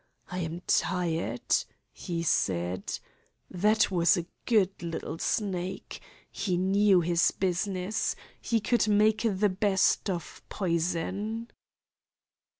"I am tired," he said. "That was a good little snake. He knew his business. He could make the best of poison."